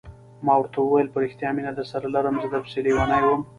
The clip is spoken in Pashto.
ما ورته وویل: په رښتیا مینه درسره لرم، زه در پسې لیونی وم.